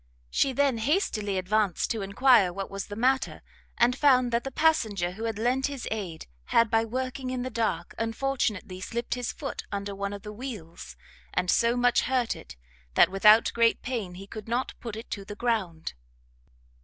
She then hastily advanced to enquire what was the matter, and found that the passenger who had lent his aid, had, by working in the dark, unfortunately slipped his foot under one of the wheels, and so much hurt it, that without great pain he could not put it to the ground.